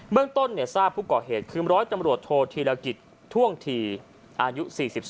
เมืองต้นทราบผู้ก่อเหตุคือร้อยตำรวจโทษธีรกิจท่วงทีอายุ๔๒